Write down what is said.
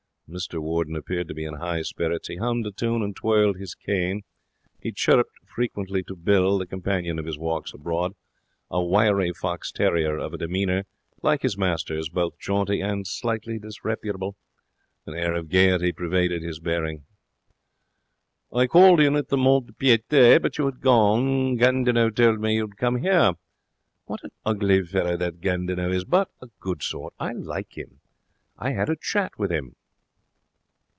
Mr Warden appeared to be in high spirits. He hummed a tune and twirled his cane. He chirruped frequently to Bill, the companion of his walks abroad, a wiry fox terrier of a demeanour, like his master's, both jaunty and slightly disreputable. An air of gaiety pervaded his bearing. 'I called in at the mont de piete but you had gone. Gandinot told me you had come here. What an ugly fellow that Gandinot is! But a good sort. I like him. I had a chat with him.'